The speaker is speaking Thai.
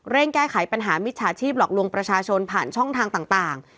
แก้ไขปัญหามิจฉาชีพหลอกลวงประชาชนผ่านช่องทางต่าง